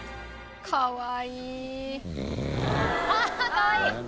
かわいい！